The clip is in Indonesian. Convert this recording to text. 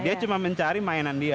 dia cuma mencari mainan dia